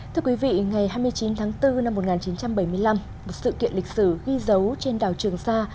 thưa quý vị ngày hai mươi chín tháng bốn năm một nghìn chín trăm bảy mươi năm một sự kiện lịch sử ghi dấu trên đảo trường sa